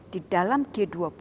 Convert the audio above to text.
di dalam g dua puluh